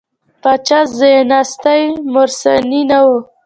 پاچا ځایناستی مورثي نه و.